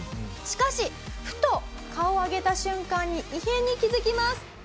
しかしふと顔を上げた瞬間に異変に気づきます。